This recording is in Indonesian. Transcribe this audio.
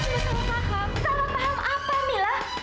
salah paham apa mila